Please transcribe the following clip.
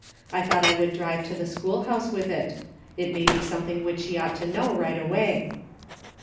I thought I would drive to the schoolhouse with it. It may be something which she ought to know right away."